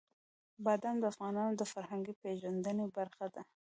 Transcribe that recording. بادام د افغانانو د فرهنګي پیژندنې برخه ده.